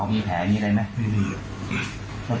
โหลายกาก